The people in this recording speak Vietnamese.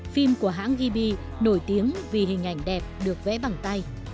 phim của hãng gb nổi tiếng vì hình ảnh đẹp được vẽ bằng tay